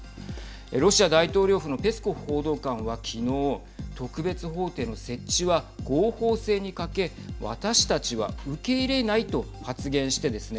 ロシア大統領府のペスコフ報道官は昨日、特別法廷の設置は合法性に欠け、私たちは受け入れないと発言してですね